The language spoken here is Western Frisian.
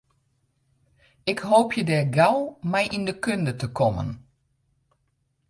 Ik hoopje dêr gau mei yn de kunde te kommen.